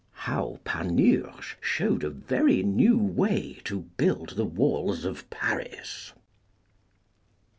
How Panurge showed a very new way to build the walls of Paris.